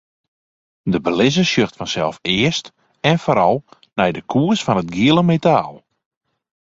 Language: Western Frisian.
De belizzer sjocht fansels earst en foaral nei de koers fan it giele metaal.